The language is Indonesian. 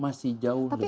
masih jauh lebih penting